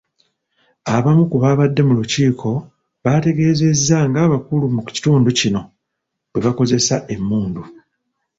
Abamu ku baabadde mu lukiiko bategeezezza ng'abakulu mu kitundu kino, bwe bakozesa emmundu.